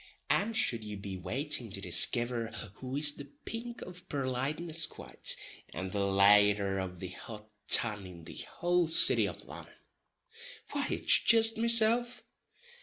And shud ye be wantin' to diskiver who is the pink of purliteness quite, and the laider of the hot tun in the houl city o' Lonon—why it's jist mesilf.